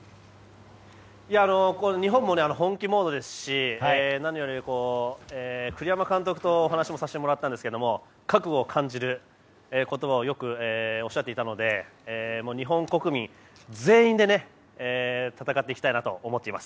日本も本気モードですし何より栗山監督とお話もさせてもらったんですが覚悟を感じる言葉をよくおっしゃっていたので日本国民全員で戦っていきたいなと思っています。